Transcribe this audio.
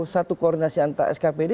satu koordinasi antar skpd